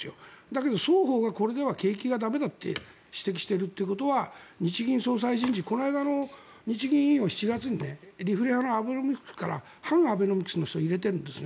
だけど双方がこれでは経済が駄目だと指摘しているということは日銀総裁人事この間の日銀委員を７月にリフレ派のアベノミクスから反アベノミクスの人を入れているんです。